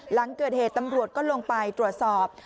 หลังเกิดเหตุตำรวจก็ลงไปตรวจสอบ